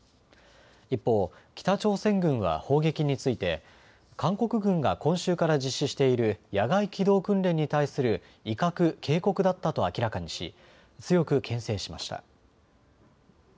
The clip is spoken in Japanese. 一方、北朝鮮軍は砲撃について韓国軍が今週から実施している野外機動訓練に対する威嚇・警告だったと明らかにし強くけん制しました。